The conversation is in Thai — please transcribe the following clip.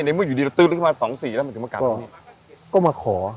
ในเมื่ออยู่ดีละตึกลงมาสองสี่แล้วมันถึงมากราบที่นี่ก็มาขอ